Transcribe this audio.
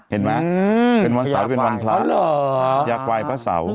เห็นไหมเป็นวันเสาร์เป็นวันพระอยากไหว้พระเสา